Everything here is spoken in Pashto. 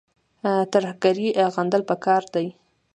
ترهګري غندل پکار دي